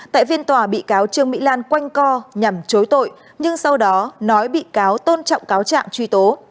tại phiên tòa bị cáo trương mỹ lan quanh co nhằm chối tội nhưng sau đó nói bị cáo tôn trọng cáo trạng truy tố